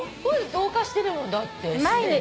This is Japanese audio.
同化してるもんだって自然に。